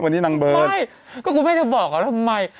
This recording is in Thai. วันนี้นางเบิร์ดไม่ก็กูไม่ได้บอกอ่ะแล้วทำไม